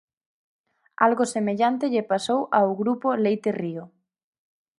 Algo semellante lle pasou ao Grupo Leite Río.